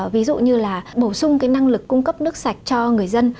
ví dụ như là bổ sung cái năng lực cung cấp nước sạch cho người dân